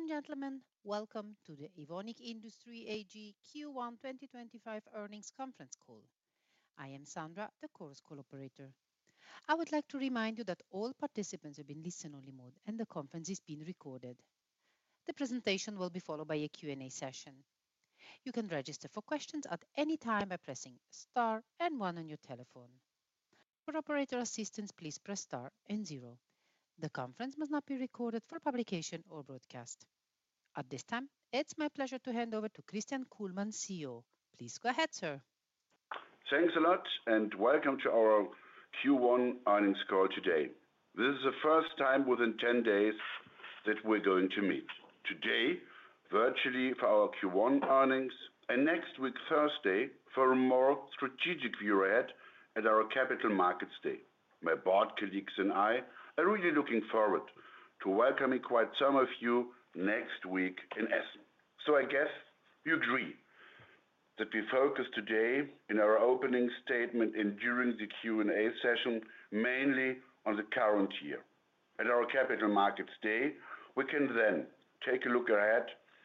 Ladies and gentlemen, welcome to the Evonik Industries AG Q1 2025 Earnings Conference Call. I am Sandra, the Chorus Call Operator. I would like to remind you that all participants have been listen-only mode, and the conference is being recorded. The presentation will be followed by a Q&A session. You can register for questions at any time by pressing star and one on your telephone. For operator assistance, please press star and zero. The conference must not be recorded for publication or broadcast. At this time, it's my pleasure to hand over to Christian Kullmann, CEO. Please go ahead, sir. Thanks a lot, and welcome to our Q1 Earnings Call today. This is the first time within 10 days that we're going to meet today virtually for our Q1 earnings and next week Thursday for a more strategic view ahead at our capital markets day. My board colleagues and I are really looking forward to welcoming quite some of you next week in Essen. I guess you agree that we focus today in our opening statement and during the Q&A session mainly on the current year. At our capital markets day, we can then take a look ahead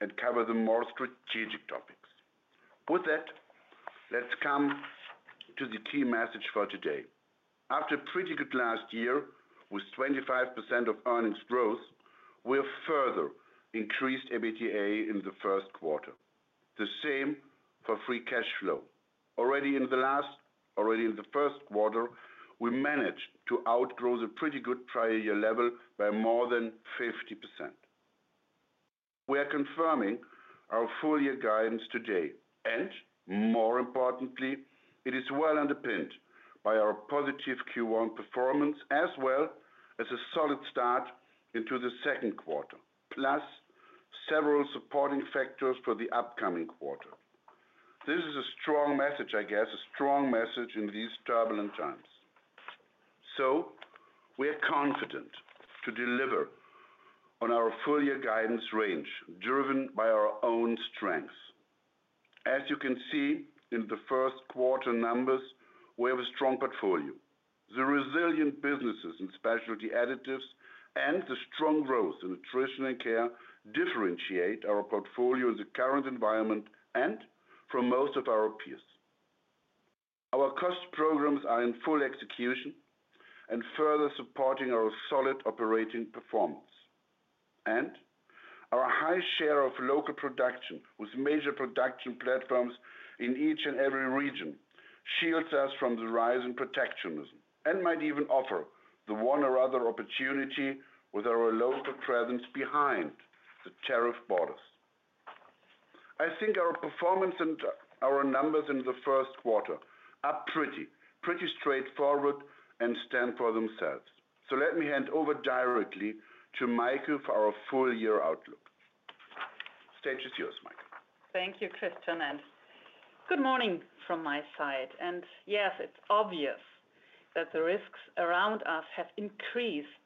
and cover the more strategic topics. With that, let's come to the key message for today. After a pretty good last year with 25% of earnings growth, we have further increased EBITDA in the first quarter. The same for free cash flow. Already in the first quarter, we managed to outgrow the pretty good prior year level by more than 50%. We are confirming our full year guidance today, and more importantly, it is well underpinned by our positive Q1 performance as well as a solid start into the second quarter, plus several supporting factors for the upcoming quarter. This is a strong message, I guess, a strong message in these turbulent times. We are confident to deliver on our full year guidance range driven by our own strengths. As you can see in the first quarter numbers, we have a strong portfolio. The resilient businesses in specialty additives and the strong growth in nutrition and care differentiate our portfolio in the current environment and from most of our peers. Our cost programs are in full execution and further supporting our solid operating performance. Our high share of local production with major production platforms in each and every region shields us from the rise in protectionism and might even offer the one or other opportunity with our local presence behind the tariff borders. I think our performance and our numbers in the first quarter are pretty, pretty straightforward and stand for themselves. Let me hand over directly to Maike for our full year outlook. Stage is yours, Maike. Thank you, Christian. Good morning from my side. Yes, it's obvious that the risks around us have increased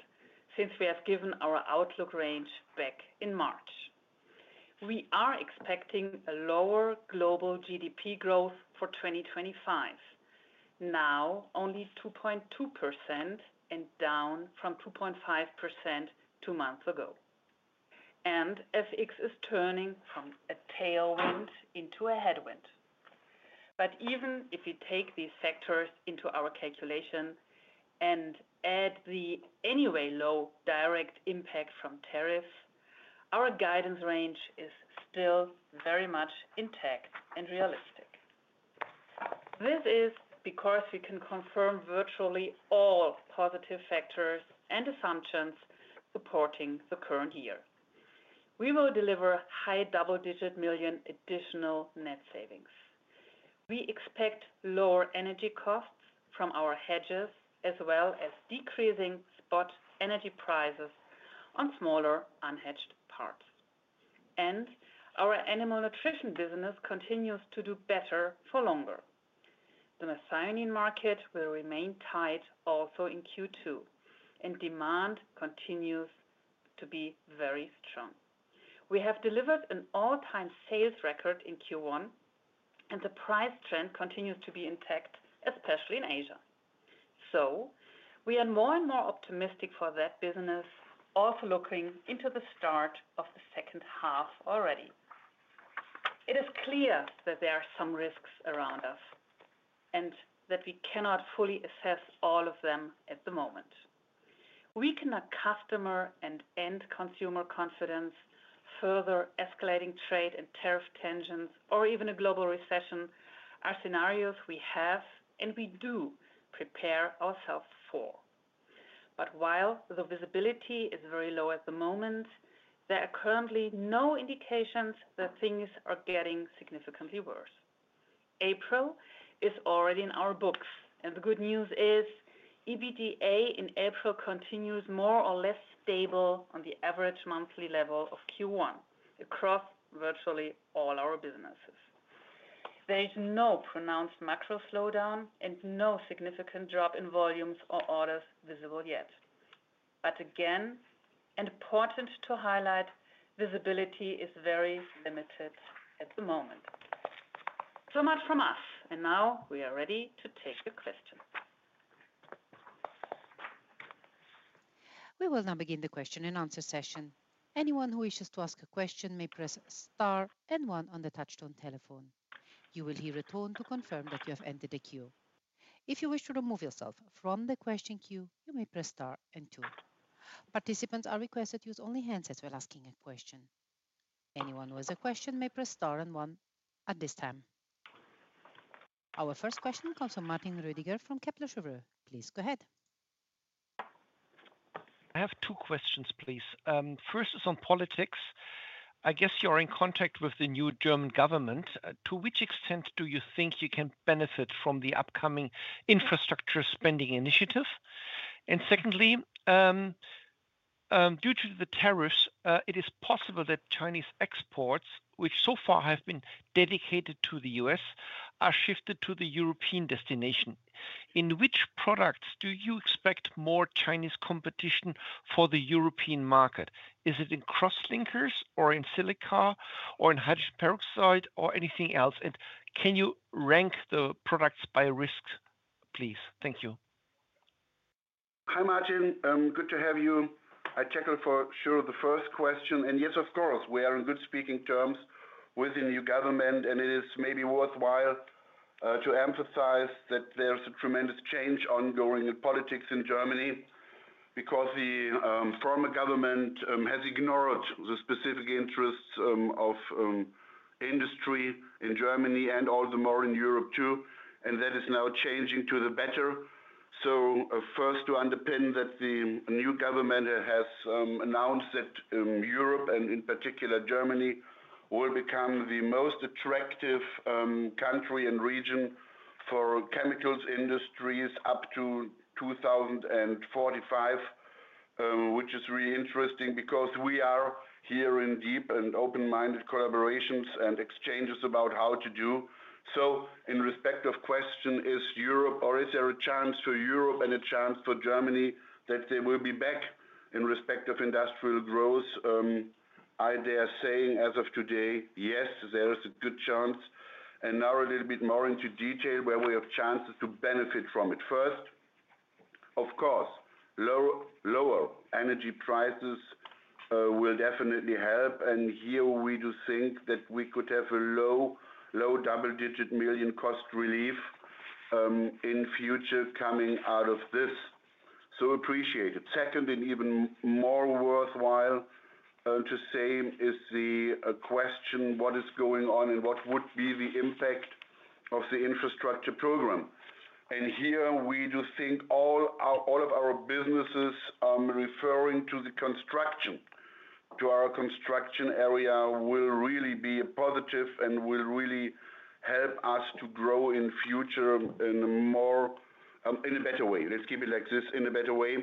since we have given our outlook range back in March. We are expecting a lower global GDP growth for 2025, now only 2.2% and down from 2.5% two months ago. FX is turning from a tailwind into a headwind. Even if we take these factors into our calculation and add the anyway low direct impact from tariffs, our guidance range is still very much intact and realistic. This is because we can confirm virtually all positive factors and assumptions supporting the current year. We will deliver high double-digit million additional net savings. We expect lower energy costs from our hedges as well as decreasing spot energy prices on smaller unhedged parts. Our animal nutrition business continues to do better for longer. The methionine market will remain tight also in Q2, and demand continues to be very strong. We have delivered an all-time sales record in Q1, and the price trend continues to be intact, especially in Asia. We are more and more optimistic for that business, also looking into the start of the second half already. It is clear that there are some risks around us and that we cannot fully assess all of them at the moment. We cannot customer and end consumer confidence, further escalating trade and tariff tensions, or even a global recession are scenarios we have and we do prepare ourselves for. While the visibility is very low at the moment, there are currently no indications that things are getting significantly worse. April is already in our books, and the good news is EBITDA in April continues more or less stable on the average monthly level of Q1 across virtually all our businesses. There is no pronounced macro slowdown and no significant drop in volumes or orders visible yet. Again, and important to highlight, visibility is very limited at the moment. So much from us. Now we are ready to take your questions. We will now begin the question and answer session. Anyone who wishes to ask a question may press star and one on the touchstone telephone. You will hear a tone to confirm that you have entered the queue. If you wish to remove yourself from the question queue, you may press star and two. Participants are requested to use only handsets while asking a question. Anyone who has a question may press star and one at this time. Our first question comes from Martin Roediger from Kepler Cheuvreux. Please go ahead. I have two questions, please. First is on politics. I guess you are in contact with the new German government. To which extent do you think you can benefit from the upcoming infrastructure spending initiative? Secondly, due to the tariffs, it is possible that Chinese exports, which so far have been dedicated to the U.S., are shifted to the European destination. In which products do you expect more Chinese competition for the European market? Is it in crosslinkers or in silica or in hydrogen peroxide or anything else? Can you rank the products by risk, please? Thank you. Hi, Martin. Good to have you. I checked for sure the first question. Yes, of course, we are in good speaking terms with the new government, and it is maybe worthwhile to emphasize that there is a tremendous change ongoing in politics in Germany because the former government has ignored the specific interests of industry in Germany and all the more in Europe too, and that is now changing to the better. First, to underpin that, the new government has announced that Europe and in particular Germany will become the most attractive country and region for chemicals industries up to 2045, which is really interesting because we are here in deep and open-minded collaborations and exchanges about how to do. In respect of the question, is Europe or is there a chance for Europe and a chance for Germany that they will be back in respect of industrial growth? Are they saying as of today, yes, there's a good chance? Now a little bit more into detail where we have chances to benefit from it. First, of course, lower energy prices will definitely help. Here we do think that we could have a low double-digit million cost relief in future coming out of this. So appreciated. Second, and even more worthwhile to say is the question, what is going on and what would be the impact of the infrastructure program? Here we do think all of our businesses referring to the construction, to our construction area, will really be positive and will really help us to grow in future in a better way. Let's keep it like this, in a better way.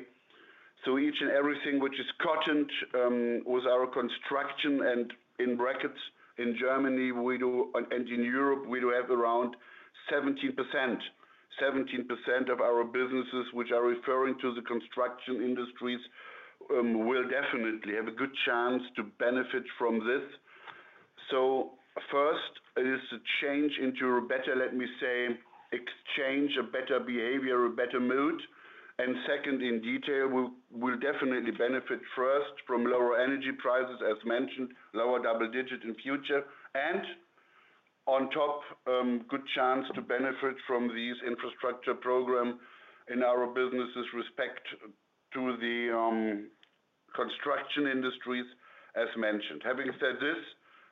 Each and everything which is cotton with our construction, and in brackets in Germany, we do, and in Europe, we do have around 17%. 17% of our businesses which are referring to the construction industries will definitely have a good chance to benefit from this. First is a change into a better, let me say, exchange, a better behavior, a better mood. Second, in detail, we will definitely benefit first from lower energy prices, as mentioned, lower double-digit in future. On top, good chance to benefit from these infrastructure programs in our businesses with respect to the construction industries, as mentioned. Having said this,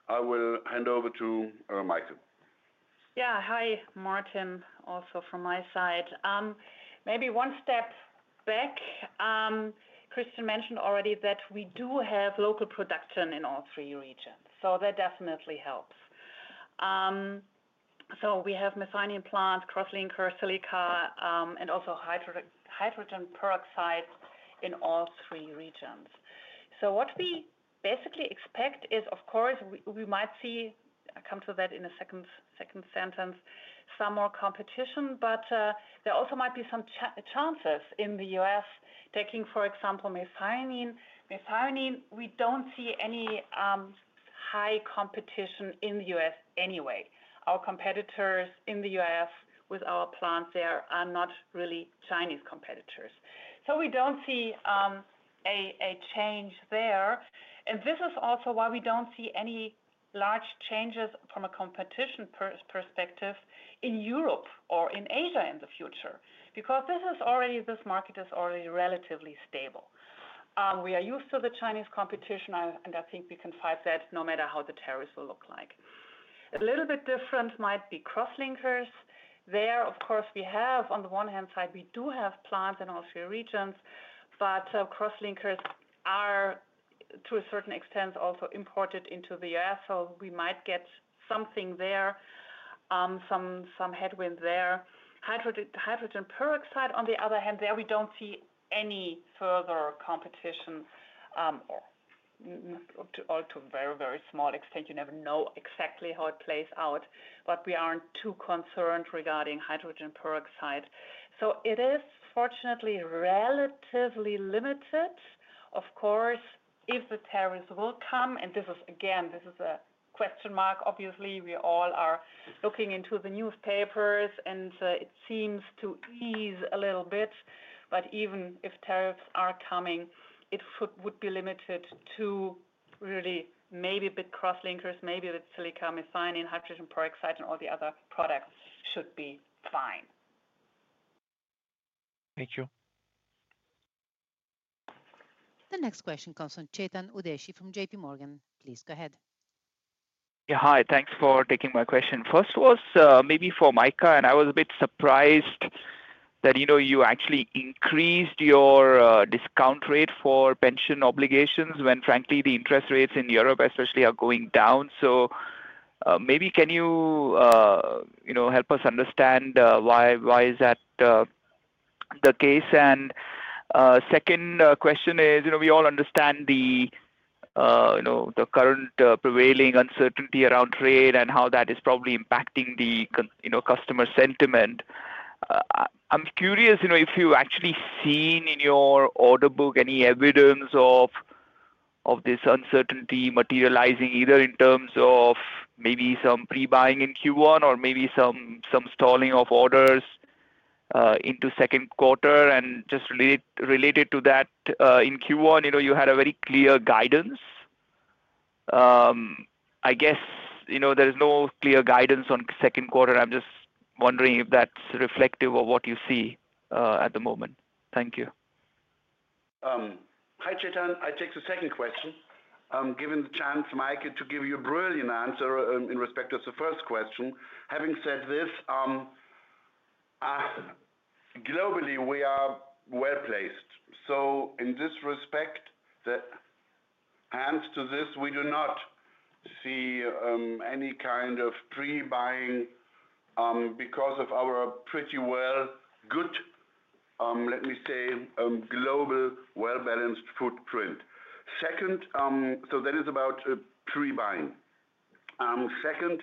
I will hand over to Maike. Yeah. Hi, Martin, also from my side. Maybe one step back. Christian mentioned already that we do have local production in all three regions. That definitely helps. We have methionine plants, crosslinkers, silica, and also hydrogen peroxide in all three regions. What we basically expect is, of course, we might see, I'll come to that in a second sentence, some more competition, but there also might be some chances in the U.S. taking, for example, methionine. Methionine, we do not see any high competition in the U.S. anyway. Our competitors in the U.S. with our plants there are not really Chinese competitors. We do not see a change there. This is also why we do not see any large changes from a competition perspective in Europe or in Asia in the future because this is already, this market is already relatively stable. We are used to the Chinese competition, and I think we can fight that no matter how the tariffs will look like. A little bit different might be crosslinkers. There, of course, we have on the one hand side, we do have plants in all three regions, but crosslinkers are to a certain extent also imported into the U.S. We might get something there, some headwind there. Hydrogen peroxide, on the other hand, there we do not see any further competition or to a very, very small extent. You never know exactly how it plays out, but we are not too concerned regarding hydrogen peroxide. It is fortunately relatively limited. Of course, if the tariffs will come, and this is, again, this is a question mark, obviously, we all are looking into the newspapers, and it seems to ease a little bit. Even if tariffs are coming, it would be limited to really maybe a bit crosslinkers, maybe a bit silica, methionine, hydrogen peroxide, and all the other products should be fine. Thank you. The next question comes from Chetan Udeshi from JPMorgan. Please go ahead. Yeah, hi. Thanks for taking my question. First was maybe for Maike, and I was a bit surprised that you actually increased your discount rate for pension obligations when, frankly, the interest rates in Europe especially are going down. Maybe can you help us understand why is that the case? Second question is, we all understand the current prevailing uncertainty around trade and how that is probably impacting the customer sentiment. I'm curious if you actually seen in your order book any evidence of this uncertainty materializing either in terms of maybe some pre-buying in Q1 or maybe some stalling of orders into second quarter? Just related to that, in Q1, you had a very clear guidance. I guess there is no clear guidance on second quarter. I'm just wondering if that's reflective of what you see at the moment. Thank you. Hi, Chetan. I take the second question. Given the chance, Maike, to give you a brilliant answer in respect of the first question. Having said this, globally, we are well placed. In this respect, the answer to this, we do not see any kind of pre-buying because of our pretty well good, let me say, global well-balanced footprint. That is about pre-buying. Second,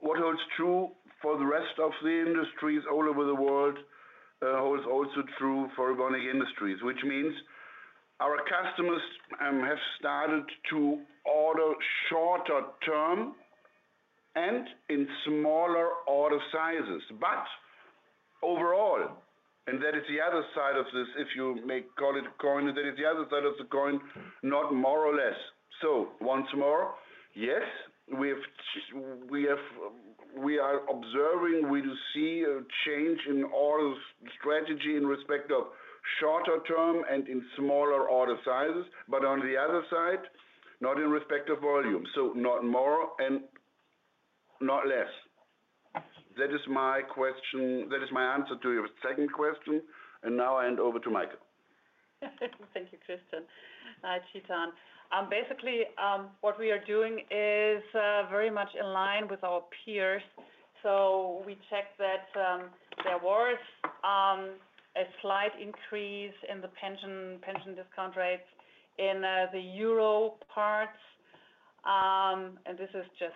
what holds true for the rest of the industries all over the world holds also true for organic industries, which means our customers have started to order shorter term and in smaller order sizes. Overall, and that is the other side of this, if you may call it coin, that is the other side of the coin, not more or less. Yes, we are observing, we do see a change in order strategy in respect of shorter term and in smaller order sizes, but on the other side, not in respect of volume. So not more and not less. That is my answer to your second question. Now I hand over to Maike. Thank you, Christian. Chetan, basically what we are doing is very much in line with our peers. We checked that there was a slight increase in the pension discount rates in the euro parts. This is just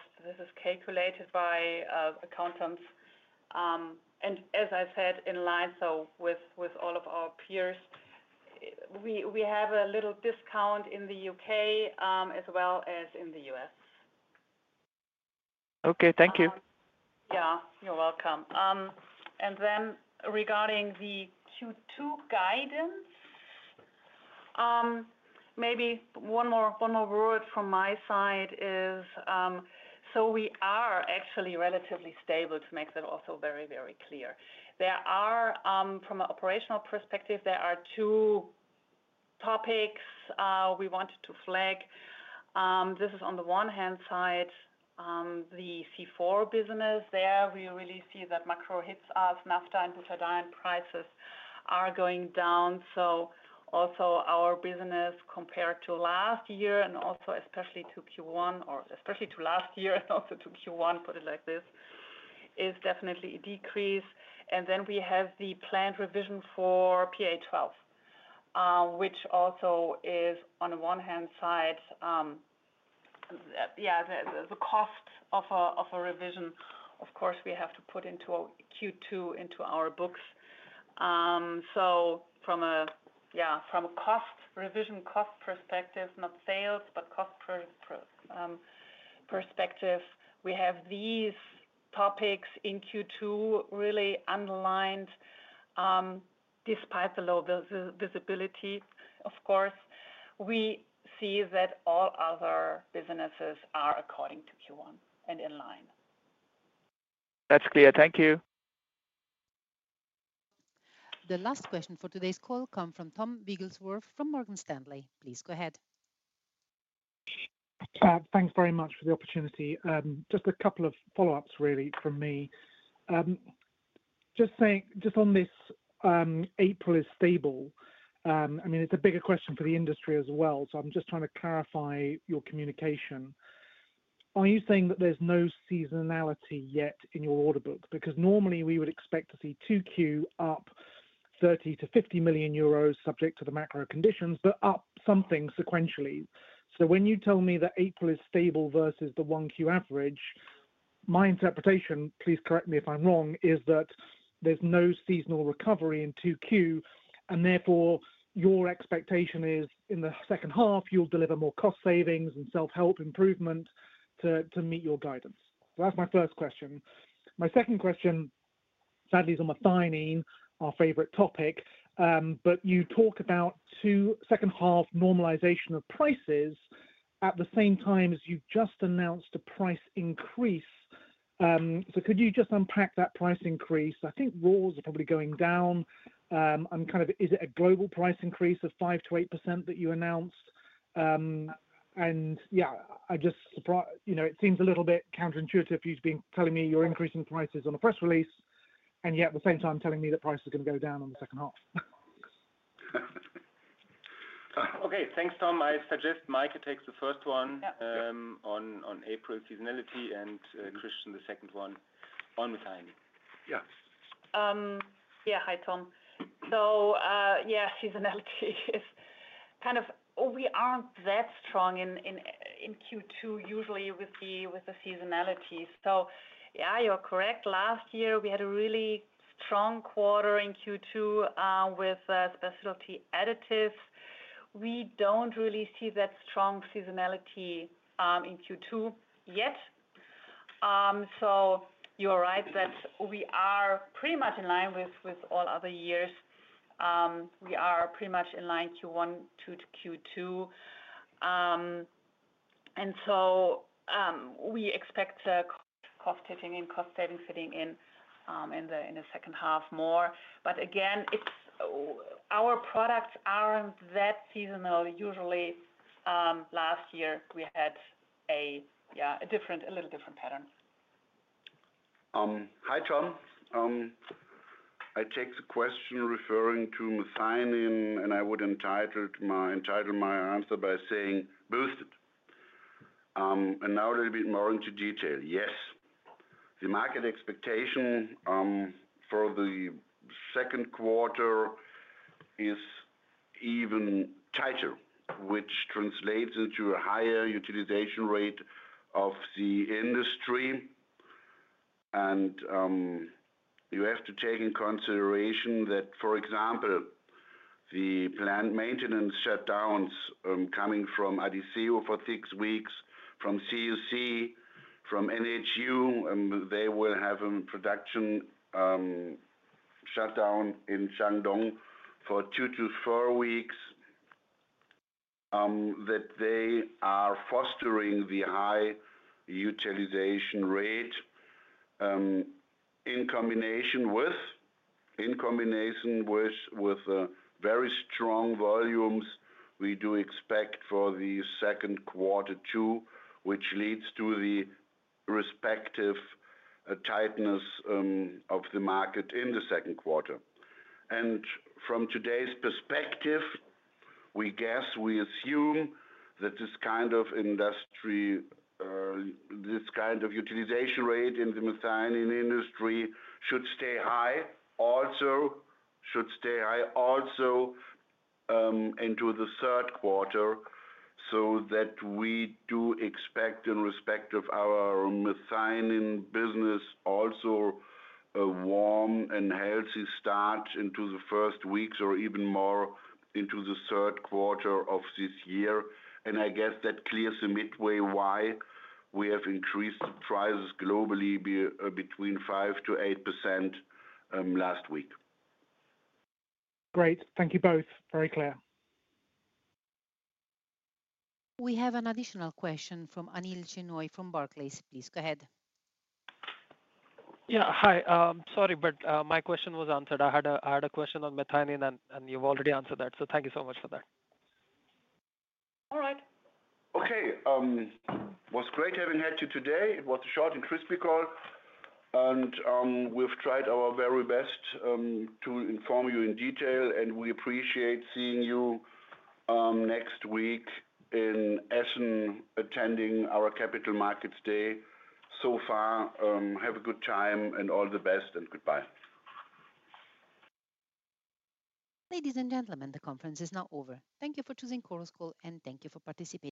calculated by accountants. As I said, in line with all of our peers, we have a little discount in the U.K. as well as in the U.S. Okay, thank you. Yeah, you're welcome. Regarding the Q2 guidance, maybe one more word from my side is, we are actually relatively stable, to make that also very, very clear. There are, from an operational perspective, two topics we wanted to flag. This is on the one hand side, the C4 business. There we really see that macro hits us. Naphtha and butadiene prices are going down. Also, our business compared to last year and also especially to Q1, or especially to last year and also to Q1, put it like this, is definitely a decrease. Then we have the planned revision for PA12, which also is on the one hand side, yeah, the cost of a revision, of course, we have to put into Q2 into our books. From a cost revision cost perspective, not sales, but cost perspective, we have these topics in Q2 really underlined despite the low visibility, of course. We see that all other businesses are according to Q1 and in line. That's clear. Thank you. The last question for today's call comes from Tom Wrigglesworth from Morgan Stanley. Please go ahead. Thanks very much for the opportunity. Just a couple of follow-ups really from me. Just on this April is stable. I mean, it's a bigger question for the industry as well. I'm just trying to clarify your communication. Are you saying that there's no seasonality yet in your order book? Because normally we would expect to see 2Q up 30 million-50 million euros, subject to the macro conditions, but up something sequentially. When you tell me that April is stable versus the 1Q average, my interpretation, please correct me if I'm wrong, is that there's no seasonal recovery in 2Q, and therefore your expectation is in the second half, you'll deliver more cost savings and self-help improvement to meet your guidance. That's my first question. My second question, sadly, is on methionine, our favorite topic, but you talk about second half normalization of prices at the same time as you have just announced a price increase. Could you just unpack that price increase? I think raws are probably going down. I am kind of, is it a global price increase of 5-8% that you announced? I am just surprised, it seems a little bit counterintuitive for you to be telling me you are increasing prices on a press release, and yet at the same time telling me that price is going to go down in the second half. Okay. Thanks, Tom. I suggest Maike takes the first one on April seasonality and Christian the second one on methionine. Yeah. Yeah, hi, Tom. Yeah, seasonality is kind of, we aren't that strong in Q2 usually with the seasonality. Yeah, you're correct. Last year, we had a really strong quarter in Q2 with specialty additives. We don't really see that strong seasonality in Q2 yet. You're right that we are pretty much in line with all other years. We are pretty much in line Q1 to Q2. We expect the cost hitting and cost savings hitting in the second half more. Again, our products aren't that seasonal. Usually, last year, we had a little different pattern. Hi, Tom. I take the question referring to methionine, and I would entitle my answer by saying boosted. Now a little bit more into detail. Yes, the market expectation for the second quarter is even tighter, which translates into a higher utilization rate of the industry. You have to take into consideration that, for example, the plant maintenance shutdowns coming from Adisseo for six weeks, from CUC, from NHU, they will have a production shutdown in Shandong for two to four weeks, that they are fostering the high utilization rate in combination with very strong volumes we do expect for the second quarter too, which leads to the respective tightness of the market in the second quarter. From today's perspective, we guess, we assume that this kind of industry, this kind of utilization rate in the methionine industry should stay high, should stay high also into the third quarter so that we do expect in respect of our methionine business also a warm and healthy start into the first weeks or even more into the third quarter of this year. I guess that clears the midway why we have increased prices globally between 5-8% last week. Great. Thank you both. Very clear. We have an additional question from Anil Shenoy from Barclays. Please go ahead. Yeah, hi. Sorry, my question was answered. I had a question on methionine, and you've already answered that. Thank you so much for that. All right. Okay. It was great having had you today. It was a short and crispy call. We have tried our very best to inform you in detail, and we appreciate seeing you next week in Essen, attending our Capital Markets Day. So far, have a good time and all the best, and goodbye. Ladies and gentlemen, the conference is now over. Thank you for choosing Chorus Call, and thank you for participating.